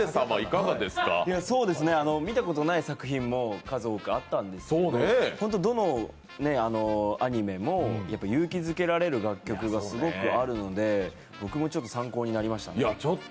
見たことない作品も数多くあったのでどのアニメも勇気づけられる楽曲がすごくあるので僕も参考になりましたね。